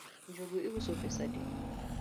Njugu iuso pesa adi?